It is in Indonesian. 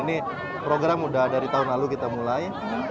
ini program udah dari tahun lalu kita mulai